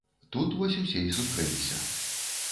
Тут вось усе і сустрэліся.